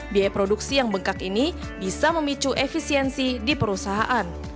biaya produksi yang bengkak ini bisa memicu efisiensi di perusahaan